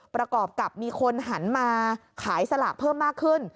ประกอบกับมีคนหันมาขายสลากเพิ่มมากขึ้น